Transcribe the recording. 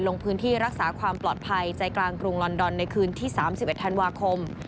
ลงพื้นที่รักษาความปลอดภัยใจกลางกรุงลอนดอนในคืนที่๓๑ธันวาคม